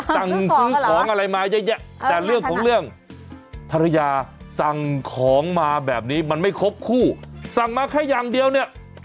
สั่งซื้อของอะไรมาเยอะแยะแต่เรื่องของเรื่องภรรยาสั่งของมาแบบนี้มันไม่ครบคู่สั่งมาแค่อย่างเดียวเนี่ย